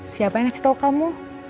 siapa yang ngasih tahu kamu